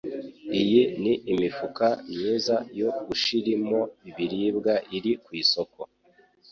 Iyi ni imifuka myiza yo gushirimo ibiribwa iri kw’isoko.